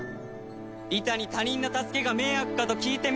リタに他人の助けが迷惑かと聞いてみたのか？